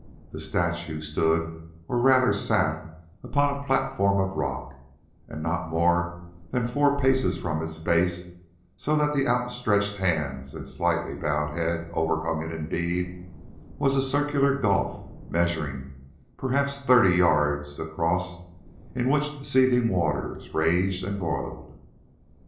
The statue stood, or rather sat, upon a platform of rock; and not more than four paces from its base, so that the outstretched hands and slightly bowed head overhung it indeed, was a circular gulf measuring, perhaps, thirty yards across, in which seething waters raged and boiled.